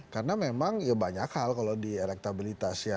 karena memang banyak hal kalau di elektabilitas